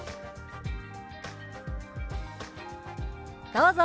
どうぞ。